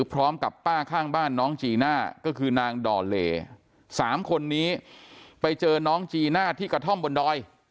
พร้อมกับป้าข้างบ้านน้องจีน่าก็คือนางดอเลสามคนนี้ไปเจอน้องจีน่าที่กระท่อมบนดอย